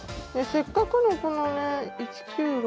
せっかくのこのね１９６９。